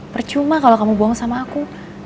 percuma kalau kamu buang sama aku